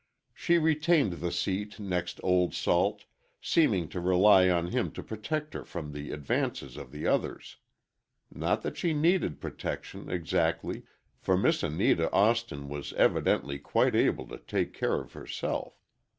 She retained the seat next Old Salt, seeming to rely on him to protect her from the advances of the others. Not that she needed protection, exactly, for Miss Anita Austin was evidently quite able to take care of herself.